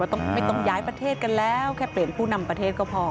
ไม่ต้องย้ายประเทศกันแล้วแค่เปลี่ยนผู้นำประเทศก็พอ